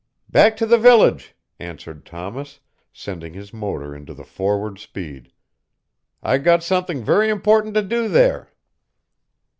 "Back to the village," answered Thomas, sending his motor into the forward speed. "I got something very important to do there."